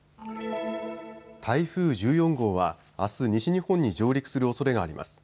台風１４号はあす西日本に上陸するおそれがあります。